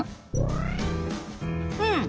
うん。